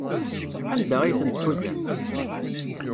Anda ay ten-tḥuzam?